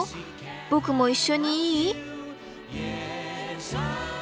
僕も一緒にいい？